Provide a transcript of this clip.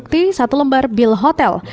bukti satu lembar bil hotel